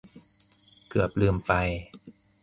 เกือบลืมไป